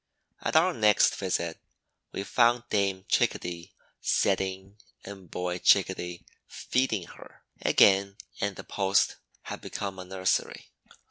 At our next visit we found Dame Chickadee setting and Boy Chickadee feeding her; again, and the post had become a nursery.